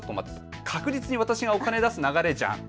確実に私がお金を出す流れじゃん。